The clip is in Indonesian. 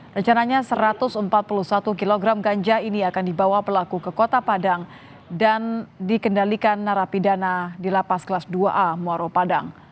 rencananya satu ratus empat puluh satu kg ganja ini akan dibawa pelaku ke kota padang dan dikendalikan narapidana di lapas kelas dua a muarau padang